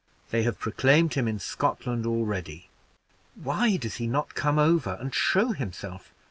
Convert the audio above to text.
They have proclaimed him in Scotland already. Why does he not come over and show himself?